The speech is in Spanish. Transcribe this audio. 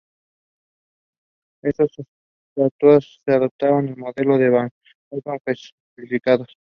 En estos estatutos se adoptó el modelo de la Bascongada, aunque simplificados.